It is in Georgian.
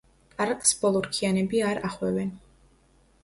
პარკს ბოლორქიანები არ ახვევენ.